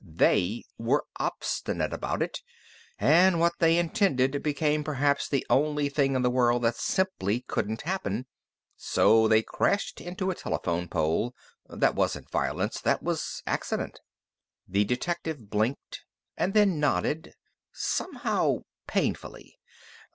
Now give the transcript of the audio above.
They were obstinate about it, and what they intended became perhaps the only thing in the world that simply couldn't happen. So they crashed into a telephone pole. That wasn't violence. That was accident." The detective blinked, and then nodded, somehow painfully.